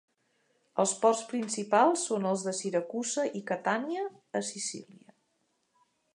Els ports principals són els de Siracusa i Catània, a Sicília.